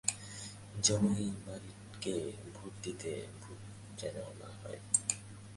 Jimmy মারিকে vote দিতে ভুলো না যেন!